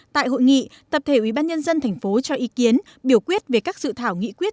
tại hội nghị tập thể ubnd tp cho ý kiến biểu quyết về các dự thảo nghị quyết